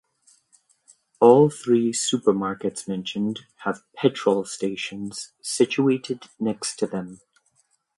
All three supermarkets mentioned have petrol stations situated next to them.